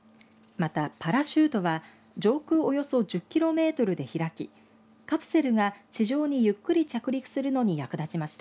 また、パラシュートは上空およそ１０キロメートルで開きカプセルが地上にゆっくり着陸するのに役立ちました。